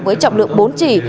với trọng lượng bốn chỉ